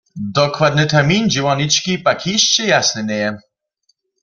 Dokładny termin dźěłarnički pak hišće jasny njeje.